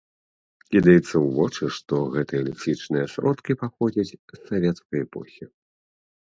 Кідаецца ў вочы, што гэтыя лексічныя сродкі паходзяць з савецкай эпохі.